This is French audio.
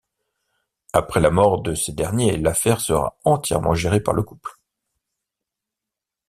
Après la mort de ce dernier, l'affaire sera entièrement géré par le couple.